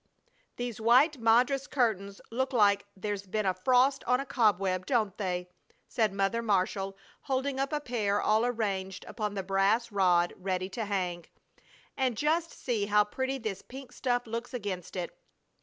"These white madras curtains look like there's been a frost on a cobweb, don't they?" said Mother Marshall, holding up a pair all arranged upon the brass rod ready to hang. "And just see how pretty this pink stuff looks against it.